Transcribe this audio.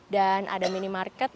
dan ada minimarket